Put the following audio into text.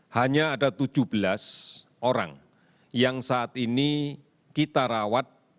hanya ada tujuh belas orang yang saat ini kita rawat